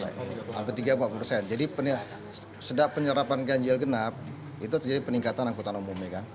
jadi setelah penyerapan ganjil genap itu jadi peningkatan yang kutanggung